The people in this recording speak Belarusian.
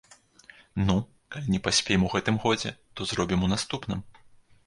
Ну, калі не паспеем у гэтым годзе, то зробім у наступным.